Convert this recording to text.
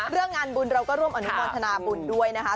เรื่องงานบุญเราก็ร่วมอนุโมทนาบุญด้วยนะคะ